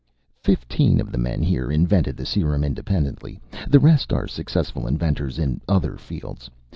"Fifteen of the men here invented the serum independently. The rest are successful inventors in other fields.